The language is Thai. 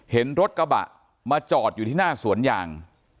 เห็นรถกระบะมาจอดอยู่ที่หน้าสวนยาง